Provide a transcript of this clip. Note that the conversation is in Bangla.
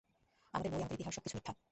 আমাদের বই, আমাদের ইতিহাস, সবকিছু মিথ্যা।